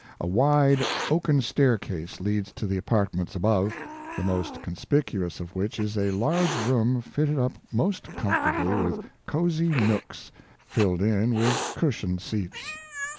A wide oaken staircase leads to the apart ments above, the most conspicuous of which is a large room fitted up most com fortably with cozy nooks filled in with cushioned seats.